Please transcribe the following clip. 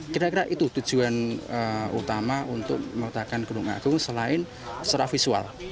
kira kira itu tujuan utama untuk meletakkan gunung agung selain secara visual